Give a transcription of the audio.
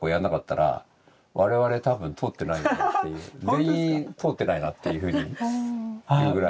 全員通ってないなっていうふうにいうぐらい。